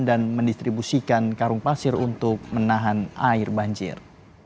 dan mendistribusikan karung pasir untuk menahan air banjir